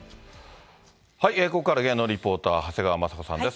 ここからは芸能リポーター、長谷川まさ子さんです。